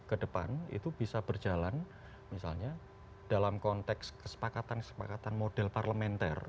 kedepan itu bisa berjalan misalnya dalam konteks kesepakatan kesepakatan model parlementer